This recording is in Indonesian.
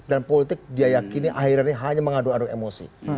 dan politik dia yakini akhirnya ini hanya mengaduk aduk emosi